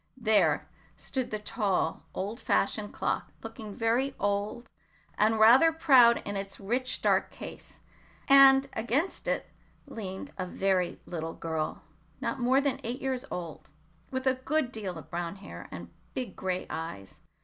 There stood the tall, old fashioned clock, looking very old and rather proud in its rich dark case, and against it leaned a very little girl, not more than eight years old, with a good deal of brown hair, and big gray eyes.